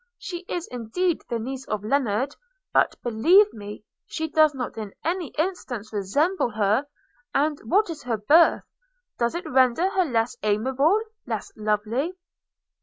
She is indeed the niece of Lennard; but, believe me, she does not in any instance resemble her – And what is her birth? does it render her less amiable, less lovely?'